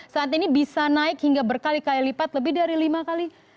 saat ini bisa naik hingga berkali kali lipat lebih dari lima kali